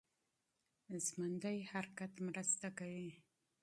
ژوندی حرکت مرسته کوي.